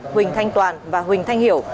huỳnh thanh toàn và huỳnh thanh hiểu